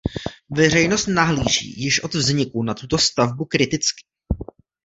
Veřejnost nahlíží již od vzniku na tuto stavbu kriticky.